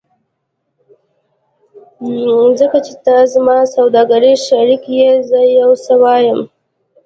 ځکه چې ته زما سوداګریز شریک یې زه یو څه وایم